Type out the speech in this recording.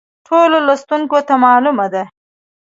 ټولو لوستونکو ته معلومه ده.